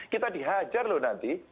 kita dihajar lho nanti